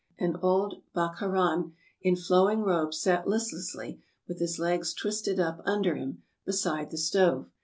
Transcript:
An old Bokharan, in flowing robes, sat listlessly, with his legs twisted up under him, beside the stove.